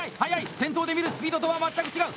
店頭で見るスピードとは全く違う！